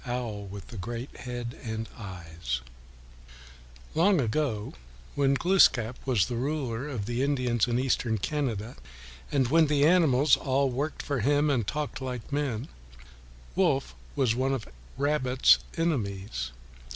OWL WITH THE GREAT HEAD AND EYES Long ago, when Glooskap was the ruler of the Indians in Eastern Canada, and when the animals all worked for him and talked like men, Wolf was one of Rabbit's enemies.